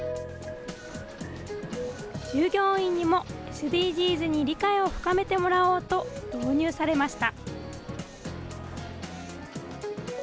従業員にもＳＤＧｓに理解を深めてもらおうと、導入されました。